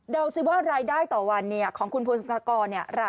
เดี๋ยวสิว่ารายได้ต่อวันของคุณพงศกร